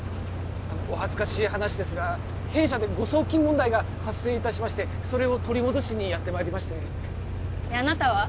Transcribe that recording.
お恥ずかしい話ですが弊社で誤送金問題が発生いたしましてそれを取り戻しにやってまいりましてであなたは？